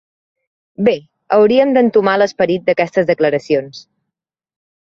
Bé, hauríem d’entomar l’esperit d’aquestes declaracions.